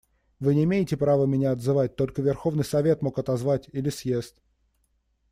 Вы не имеете права меня отзывать, только Верховный Совет мог отозвать, или съезд.